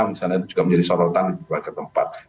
misalnya juga menjadi sorotan ke tempat